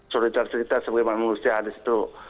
solidaritas kita sebagai manusia di situ